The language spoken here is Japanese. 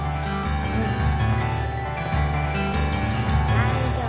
大丈夫。